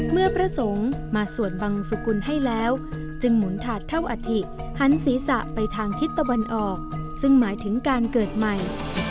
พระสงฆ์มาสวดบังสุกุลให้แล้วจึงหมุนถาดเท่าอัฐิหันศีรษะไปทางทิศตะวันออกซึ่งหมายถึงการเกิดใหม่